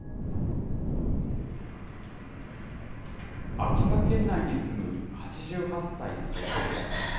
秋田県内に住む８８歳の女性です。